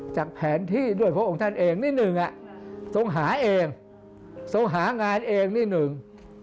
จากแผนที่ด้วยพระองค์ท่านเองนิดหนึ่งทรงหาเองทรงหางานเองนิดหนึ่ง